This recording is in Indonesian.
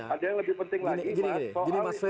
ada yang lebih penting lagi soalnya